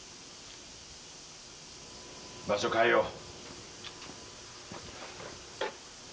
場所変えよう。